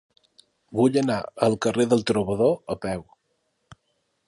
Vull anar al carrer del Trobador a peu.